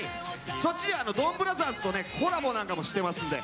そちらでは「ドンブラザーズ」とコラボなんかもしてますので。